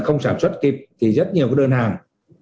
không sản xuất kịp thì rất nhiều cái đơn hàng